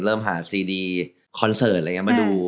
เริ่มหาซีดีคอนเสิร์ตอะไรอย่างนี้มาดู